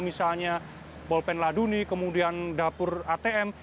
misalnya bolpen laduni kemudian dapur atm